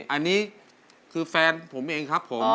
อันนี้คือแฟนผมเองครับผม